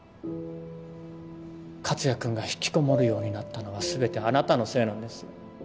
克哉君が引きこもるようになったのは全てあなたのせいなんです。